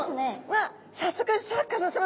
わっ早速シャーク香音さま